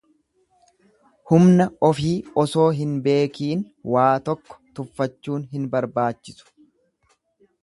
Humna ofii osoo hin beekiin waa tokko tuffachuun hin barbaachisu.